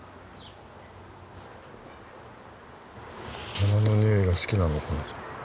花の匂いが好きなのかな。